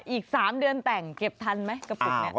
อีก๓เดือนแต่งเก็บทันไหมกระปุกนี้